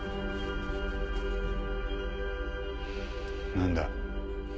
何だ？